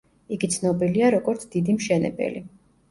იგი ცნობილია, როგორც დიდი მშენებელი.